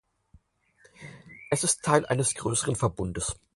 Es ist Teil eines größeren Verbundes.